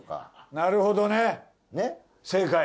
なるほどね正解。